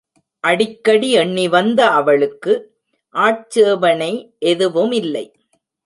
அடிக்கடி எண்ணி வந்த அவளுக்கு ஆட்சேபணை எதுவுமில்லை.